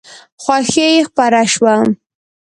خوښي خپره شوه.